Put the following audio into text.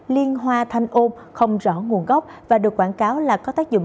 liên hoa thanh ôm không rõ nguồn gốc và được quảng cáo là có tác dụng